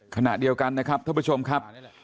ขณะเดียวกันนะครับท่านผู้ชมครับ